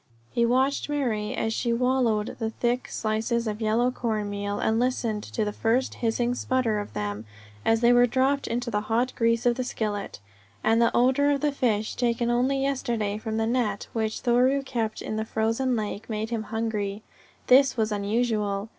He watched Marie as she wallowed the thick slices in yellow corn meal, and listened to the first hissing sputter of them as they were dropped into the hot grease of the skillet. And the odour of the fish, taken only yesterday from the net which Thoreau kept in the frozen lake, made him hungry. This was unusual.